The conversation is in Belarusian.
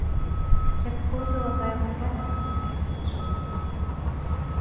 Яна поўзала па яго пальцах, а ён не чуў гэтага.